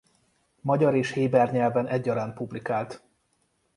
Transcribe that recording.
Magyar és héber nyelven egyaránt publikált.